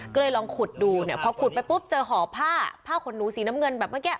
ก็เลยลองขุดดูเนี่ยพอขุดไปปุ๊บเจอห่อผ้าผ้าขนหนูสีน้ำเงินแบบเมื่อกี้